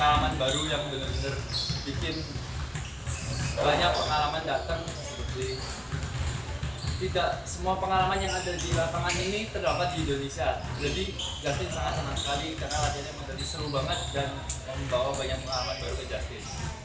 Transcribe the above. dan saya minta banyak pengalaman baru kejadian